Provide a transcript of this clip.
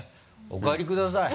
お帰りください。